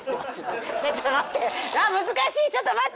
ちょっと待って。